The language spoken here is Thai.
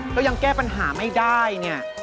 ก็ยังแก้ปัญหาไม่ได้เนี่ย